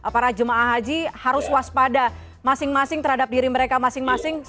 para jemaah haji harus waspada masing masing terhadap diri mereka masing masing